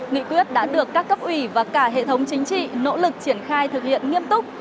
nghị quyết đã được các cấp ủy và cả hệ thống chính trị nỗ lực triển khai thực hiện nghiêm túc